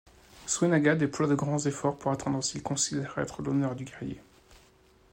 Suenaga déploie de grands efforts pour atteindre ce qu'il considère être l'honneur du guerrier.